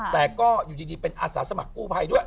แต่ก็อยู่ดีเป็นอาสาสมัครกู้ภัยด้วย